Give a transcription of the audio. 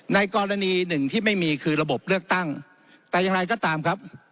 ในกรณีหนึ่งที่ไม่มีคือระบบเลือกตั้งแต่อย่างไรก็ตามครับ